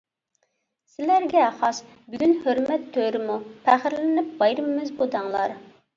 سىلەرگە خاس بۈگۈن ھۆرمەت تۆرىمۇ، پەخىرلىنىپ بايرىمىمىز بۇ دەڭلار.